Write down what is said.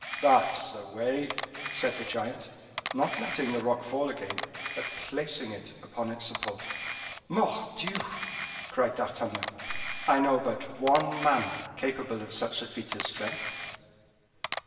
"That's the way," said the giant, not letting the rock fall again, but placing it upon its support. "Mordioux!" cried D'Artagnan, "I know but one man capable of such a feat of strength."